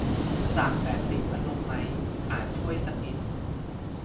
สั่งแบบติดพัดลมไหม อาจช่วยสักนิด